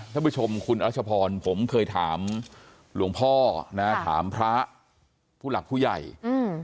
ท่านผู้ชมคุณรัชพรผมเคยถามหลวงพ่อนะถามพระผู้หลักผู้ใหญ่อืม